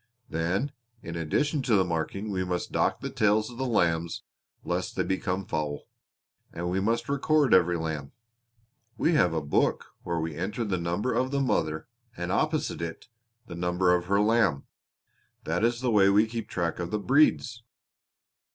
Then in addition to the marking we must dock the tails of the lambs lest they become foul; and we must record every lamb. We have a book where we enter the number of the mother and opposite it the number of her lamb. That is the way we keep track of the breeds."